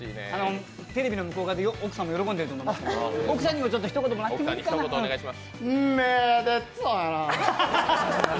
テレビの向こう側で奥さんも喜んでいると思いますから奥さんにもひと言もらっていいかな？